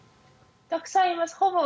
たくさんいます。